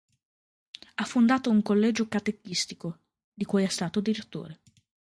Ha fondato un collegio catechistico di cui è stato direttore.